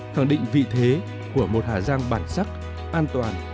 khẳng định vị thế của một hà giang bản sắc an toàn